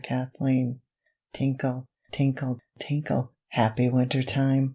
SLEIGH BELLS Tinkle, tinkle, tinkle! Happy winter time!